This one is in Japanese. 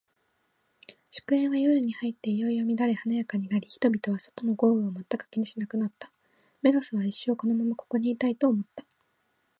祝宴は、夜に入っていよいよ乱れ華やかになり、人々は、外の豪雨を全く気にしなくなった。メロスは、一生このままここにいたい、と思った。